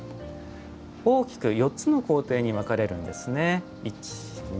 大きく４つの工程に分かれるんですね。